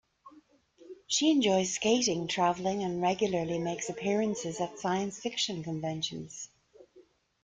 She enjoys skating, traveling and regularly makes appearances at science fiction conventions.